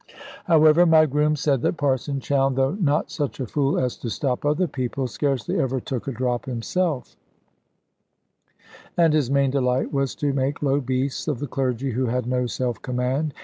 However, my groom said that Parson Chowne, though not such a fool as to stop other people, scarcely ever took a drop himself; and his main delight was to make low beasts of the clergy who had no self command.